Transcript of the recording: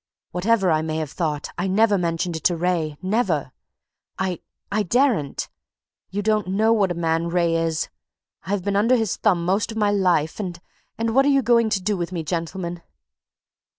Whatever I may have thought, I never mentioned it to Wraye never! I I daren't! You don't know what a man Wraye is! I've been under his thumb most of my life and and what are you going to do with me, gentlemen?"